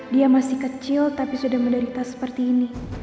dia masih kecil tapi sudah menderita seperti ini